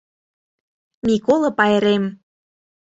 Миколо пайрем.